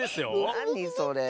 なにそれ？